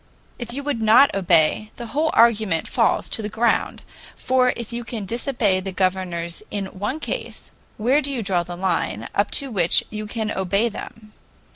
If you would not obey, the whole argument falls to the ground, for if you can disobey the governors in one case, where do you draw the line up to which you can obey them?